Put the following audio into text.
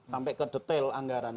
sampai ke detail anggaran